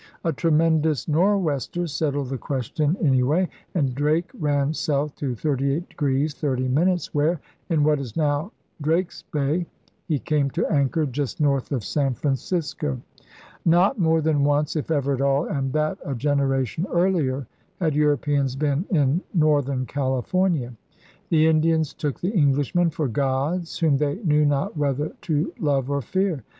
A tremendous nor 'wester settled the question, any way; and Drake ran south to 38° 30', where, in what is now Drake's Bay, he came to anchor just north of San Francisco. Not more than once, if ever at all, and that a generation earlier, had Europeans been in northern California. The Indians took the Englishmen for gods whom they knew not whether to love or fear.